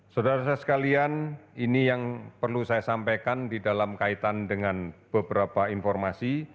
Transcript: saudara saudara sekalian ini yang perlu saya sampaikan di dalam kaitan dengan beberapa informasi